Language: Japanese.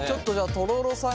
とろろさん。